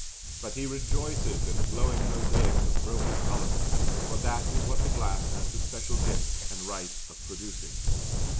But he rejoices in a glowing mosaic of broken colour: for that is what the glass has the special gift and right of producing.